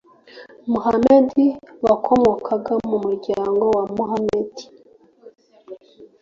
moḥammad wakomokaga mu muryango wa muhamadi